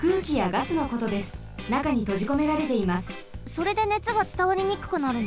それで熱がつたわりにくくなるの？